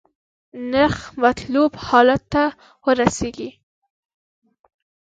نرخ مطلوب حالت ته ورسیږي.